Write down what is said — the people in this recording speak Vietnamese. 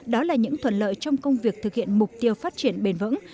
đó là những thuận lợi trong công việc thực hiện mục tiêu phát triển bền vững